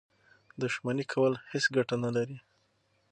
دښمني کول هېڅ ګټه نه لري.